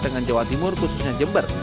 dengan jawa timur khususnya jember